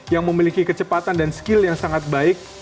yang memiliki kecepatan dan skill yang sangat baik